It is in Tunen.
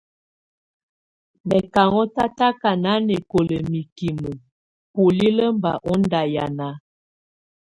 Mɛ̀ kà ɔ́n tataka nanɛkɔla mikimǝ bulilǝ́ bà ɔ́n ndahiana.